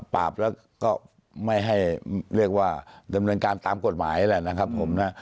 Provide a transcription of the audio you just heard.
ปราบแล้วก็ไม่ให้เรียกว่าดำเนินการตามกฎหมายแหละนะครับผมนะ